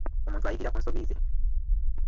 Omuntu ayigira ku nsobi ze.